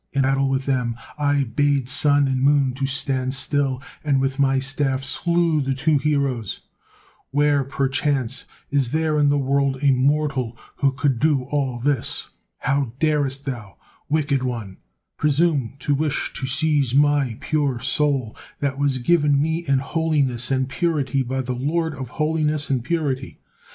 In battle with them I bade sun and moon to stand still, and with my staff slew the two heroes. Where, perchance, is there in the world a mortal who could do all this? How darest thou, wicked one, presume to wish to seize my pure soul that was given me in holiness and purity by the Lord of holiness and purity?